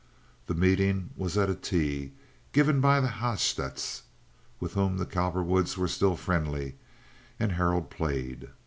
The meeting was at a tea given by the Haatstaedts, with whom the Cowperwoods were still friendly, and Harold played.